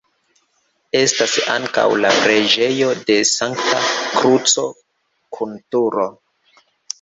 Estas ankaŭ la preĝejo de Sankta Kruco kun turo.